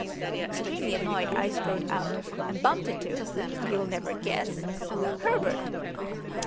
Extremely annoyed I strode out, and bumped into you'll never guess Herbert!